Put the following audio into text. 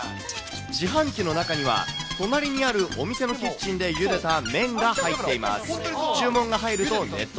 自販機の中には、隣にあるお店のキッチンでゆでた麺が入っています。